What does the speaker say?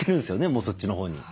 もうそっちのほうに。